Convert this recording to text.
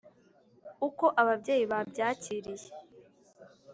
uko ababyeyi babyakiriye